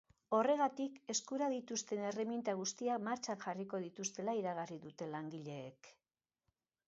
Horregatik, eskura dituzten erreminta guztiak martxan jarriko dituztela iragarri dute langileek.